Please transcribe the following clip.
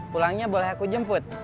pulangnya boleh aku jemput